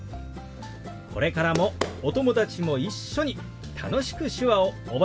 これからもお友達も一緒に楽しく手話を覚えていってくださいね。